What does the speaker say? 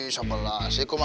satu waktu tersenyum